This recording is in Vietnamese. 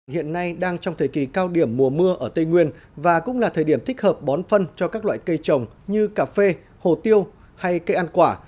hiện nay đang trong thời kỳ cao điểm mùa mưa ở tây nguyên và cũng là thời điểm thích hợp bón phân cho các loại cây trồng như cà phê hồ tiêu hay cây ăn quả